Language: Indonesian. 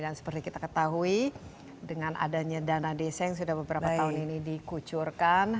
dan seperti kita ketahui dengan adanya dana desa yang sudah beberapa tahun ini dikucurkan